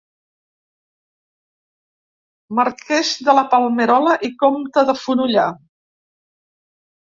Marquès de la Palmerola i comte de Fonollar.